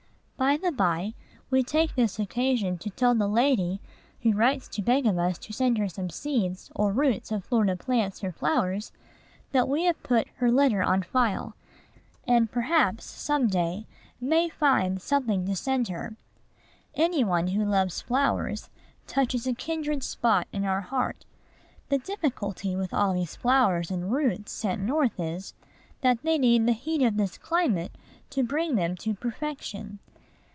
By the by, we take this occasion to tell the lady who writes to beg of us to send her some seeds or roots of Florida plants or flowers, that we have put her letter on file, and perhaps, some day, may find something to send her. Any one who loves flowers touches a kindred spot in our heart. The difficulty with all these flowers and roots sent North is, that they need the heat of this climate to bring them to perfection.